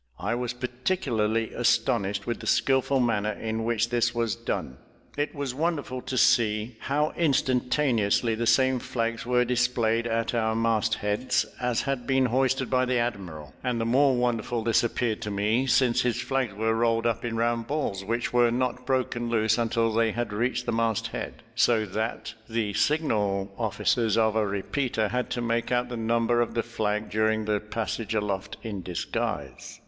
I was particularly astonished with the skilful manner in which this was done. It was wonderful to see how instantaneously the same flags were displayed at our mast heads as had been hoisted by the admiral; and the more wonderful this appeared to me, since his flags were rolled up in round balls, which were not broken loose until they had reached the mast head, so that the signal officers of a repeater had to make out the number of the flag during its passage aloft in disguise.